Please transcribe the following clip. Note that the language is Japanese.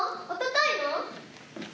おとといも？